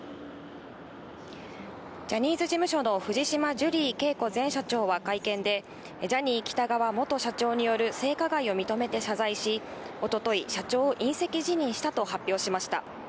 ジャニーズ事務所の藤島ジュリー景子前社長は会見で、ジャニー喜多川元社長による性加害を認めて謝罪し、おととい、社長を引責辞任したと発表しました。